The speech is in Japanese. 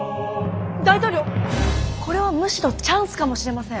大統領これはむしろチャンスかもしれません。